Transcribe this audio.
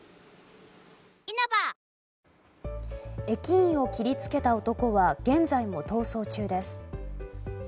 駅員を切りつけた男は現在も逃走中です。